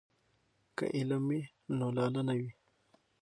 که علم وي نو لاله نه وي.